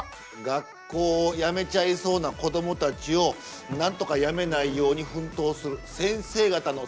学校をやめちゃいそうな子どもたちをなんとかやめないように奮闘する先生方の姿見て下さい。